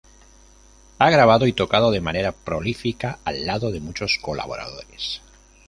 Ha grabado y tocado de manera prolífica al lado de muchos colaboradores.